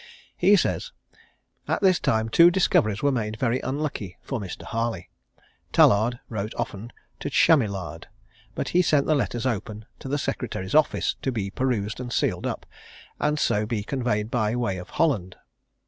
He says, "At this time two discoveries were made very unlucky for Mr. Harley: Tallard wrote often to Chamillard, but he sent the letters open to the secretary's office, to be perused and sealed up, and so be conveyed by the way of Holland.